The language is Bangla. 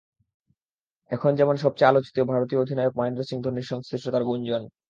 এখন যেমন সবচেয়ে আলোচিত ভারতীয় অধিনায়ক মহেন্দ্র সিং ধোনির সংশ্লিষ্টতার গুঞ্জন।